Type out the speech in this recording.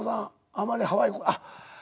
あまりハワイあっ。